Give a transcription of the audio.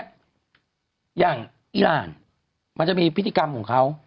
อย่างอีรานมันจะมีพิธีกรรมของเขา